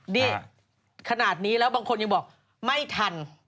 นี่ขนาดนี้แล้วบางคนยังบอกไม่ทัน